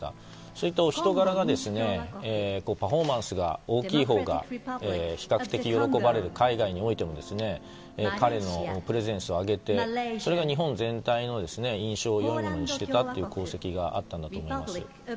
そういったお人柄がパフォーマンスが大きいほうが比較的喜ばれる海外においても彼のプレゼンスを上げてそれが日本全体の印象をいいものにしていたという功績があったんだと思います。